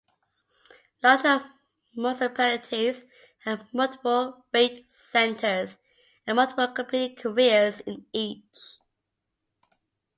Larger municipalities have multiple rate centres and multiple competing carriers in each.